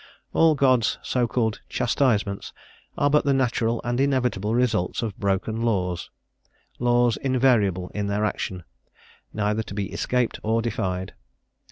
All God's so called chastisements are but the natural and inevitable results of broken laws laws invariable in their action, neither to be escaped or defied.